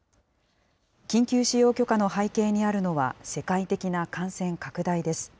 緊急使用許可の背景にあるのは世界的な感染拡大です。